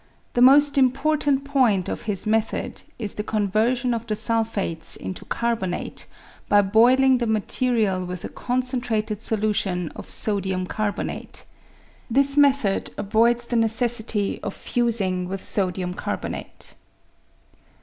The most im portant point of his method is the conversion of the sul phates into carbonate by boiling the material with a con centrated solution of sodium carbonate. This method avoids the necessity of fusing with sodium carbonate.